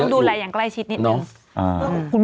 ทั้งทั้งทั้ง